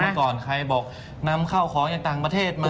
ก่อนใครบอกนำเข้าของจากต่างประเทศมา